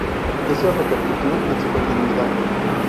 Eso repercutió en su continuidad.